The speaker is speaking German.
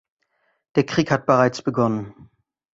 Der Krieg hat bereits begonnen.